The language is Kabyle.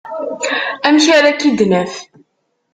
Amek ara k-id-naf?